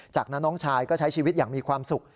จากนั้นน้องชายก็ใช้ชีวิตอย่างมีความสุข